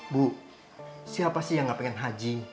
bu siapa sih yang gak pengen haji